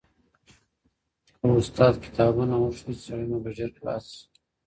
که استاد کتابونه وښيي څېړنه به ژر خلاصه سي.